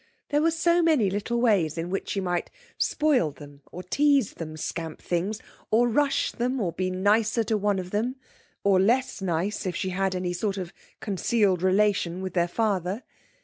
There were so many little ways in which she might spoil them or tease them, scamp things, or rush them, or be nicer to one of them, or less nice, if she had any sort of concealed relation with their father.